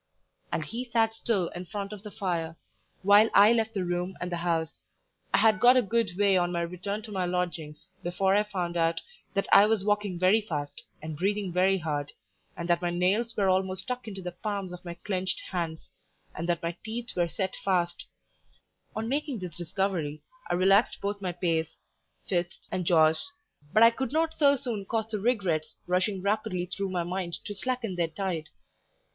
And he sat still in front of the fire, while I left the room and the house. I had got a good way on my return to my lodgings before I found out that I was walking very fast, and breathing very hard, and that my nails were almost stuck into the palms of my clenched hands, and that my teeth were set fast; on making this discovery, I relaxed both my pace, fists, and jaws, but I could not so soon cause the regrets rushing rapidly through my mind to slacken their tide.